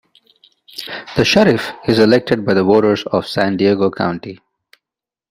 The sheriff is elected by the voters of San Diego County.